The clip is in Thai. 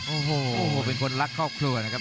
โอ้โหเป็นคนรักครอบครัวนะครับ